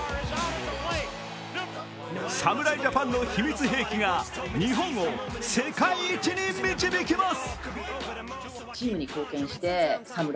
侍ジャパンの秘密兵器が日本を世界一に導きます。